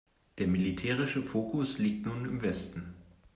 Der militärische Fokus liegt nun im Westen.